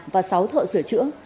và sáu thợ sửa chữa